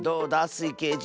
スイけいじ。